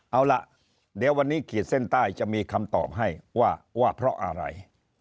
เอาล่ะเดี๋ยววันนี้ขีดเส้นใต้จะมีคำตอบให้ว่าเพราะอะไร